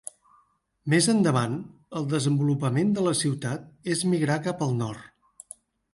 Més endavant, el desenvolupament de la ciutat es migrar cap al nord.